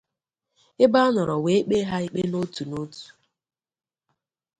ebe a nọrọ wee kpee ha ikpe n'otu n'otu.